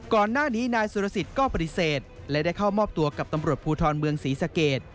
ก่อนหน้านี้นายสุรสิทธิ์ก็ปฏิเสธและได้เข้ามอบตัวกับตำรวจภูทรเมืองศรีสเกต